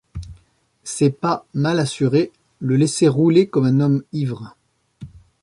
Ses pas mal assurés le laissaient rouler comme un homme ivre.